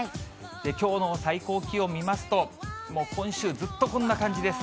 きょうの最高気温見ますと、もう今週ずっとこんな感じです。